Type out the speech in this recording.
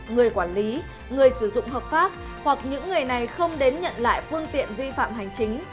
người quản lý người sử dụng hợp pháp hoặc những người này không đến nhận lại phương tiện vi phạm hành chính